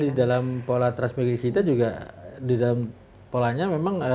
di dalam pola transmigrasi kita juga di dalam polanya memang